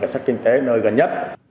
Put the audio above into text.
về sách kinh tế nơi gần nhất